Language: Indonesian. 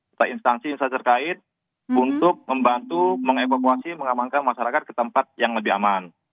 atau instansi instansi terkait untuk membantu mengevakuasi mengamankan masyarakat ke tempat yang lebih aman